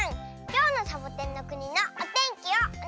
きょうのサボテンのくにのおてんきをおねがいします。